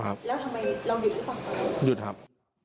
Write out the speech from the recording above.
หยุดครับ